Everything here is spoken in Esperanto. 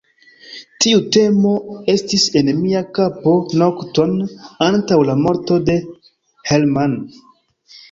Tiu temo estis en mia kapo nokton antaŭ la morto de Hermann.